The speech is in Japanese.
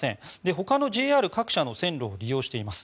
ほかのＪＲ各社の線路を利用しています。